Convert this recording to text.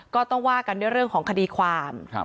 ก็ต้องว่ากันด้วยเรื่องของคดีความ